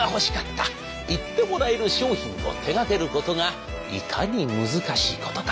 言ってもらえる商品を手がけることがいかに難しいことか。